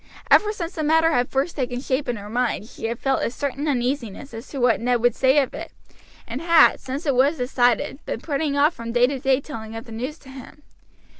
Ever since the matter had first taken shape in her mind she had felt a certain uneasiness as to what Ned would say of it, and had, since it was decided, been putting off from day to day the telling of the news to him.